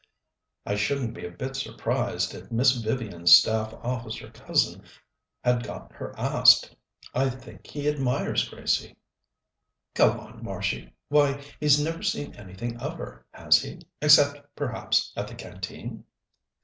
"I shouldn't be a bit surprised if Miss Vivian's Staff Officer cousin had got her asked. I think he admires Gracie." "Go on, Marshie! Why, he's never seen anything of her, has he? except, perhaps, at the Canteen."